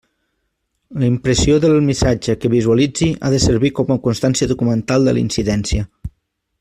La impressió del missatge que visualitzi ha de servir com a constància documental de la incidència.